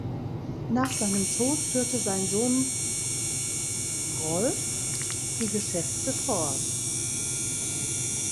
Nach seinem Tod führte sein Sohn Rolph die Geschäfte fort.